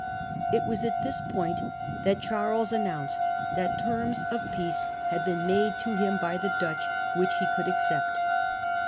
It was at this point that Charles announced that terms of peace had been made to him by the Dutch which he could accept.